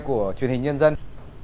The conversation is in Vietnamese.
của truyền hình nhân dân